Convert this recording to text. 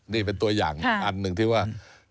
นี่เป็นตัวอย่างอันหนึ่งที่ว่า